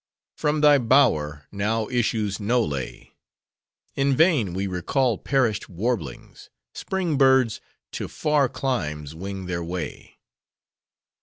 From thy bower, now issues no lay:— In vain we recall perished warblings: Spring birds, to far climes, wing their way!"